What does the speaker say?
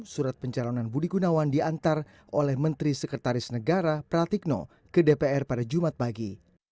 surat pencalonan budi gunawan diantar oleh menteri sekretaris negara pratikno ke dpr pada jumat pagi